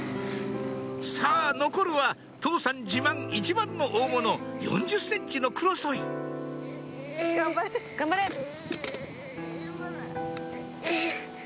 さぁ残るは父さん自慢一番の大物４０ｃｍのクロソイうぅうぅ。